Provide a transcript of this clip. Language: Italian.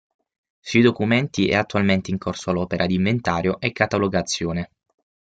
Sui documenti è attualmente in corso l'opera di inventario e catalogazione.